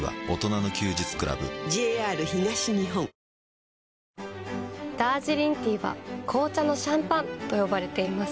もうホントにもうダージリンティーは紅茶のシャンパンと呼ばれています。